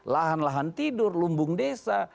lahan lahan tidur lumbung desa